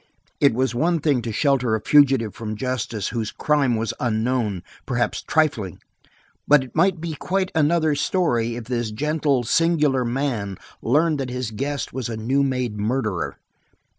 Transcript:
It was one thing to shelter a fugitive from justice whose crime was unknown, perhaps trifling, but it might be quite another story if this gentle, singular man learned that his guest was a new made murderer.